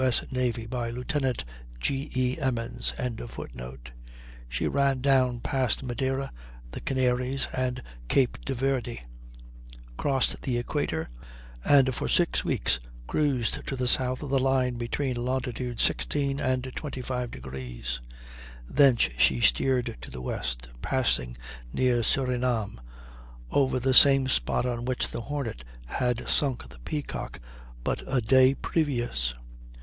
S. Navy," by Lieutenant G. E. Emmons.] She ran down past Madeira, the Canaries, and Cape de Verde, crossed the equator, and for six weeks cruised to the south of the line between longitudes 16° and 25°. Thence she steered to the west, passing near Surinam, over the same spot on which the Hornet had sunk the Peacock but a day previous.